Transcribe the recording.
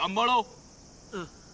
うん。